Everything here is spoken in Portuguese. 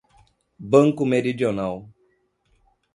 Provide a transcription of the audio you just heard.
Banco Meridional